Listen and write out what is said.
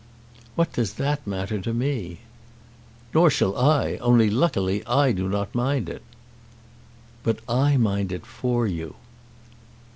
"What does that matter to me?" "Nor shall I; only luckily I do not mind it." "But I mind it for you."